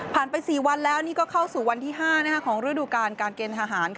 ไป๔วันแล้วนี่ก็เข้าสู่วันที่๕ของฤดูการการเกณฑหาร